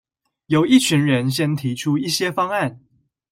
由一群人先提出一些方案